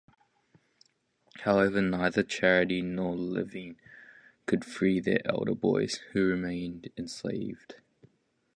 However, neither Charity nor Levin could free their older boys, who remained enslaved.